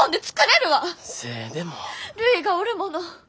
るいがおるもの。